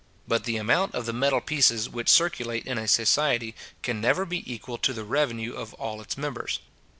But the amount of the metal pieces which circulate in a society, can never be equal to the revenue of all its members.